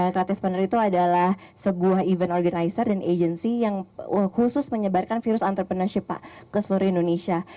creative partner itu adalah sebuah event organizer dan agency yang khusus menyebarkan virus entrepreneurship ke seluruh indonesia